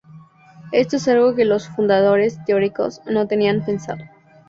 Esto es algo que los fundadores teóricos no tenían pensado.